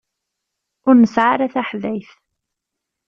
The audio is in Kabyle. Ur nesɛi ara taḥdayt.